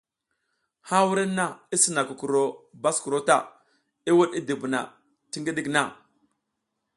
Ha wurenna i sina kukuro baskuro ta, i wuɗ i dubuna ti ngiɗik na.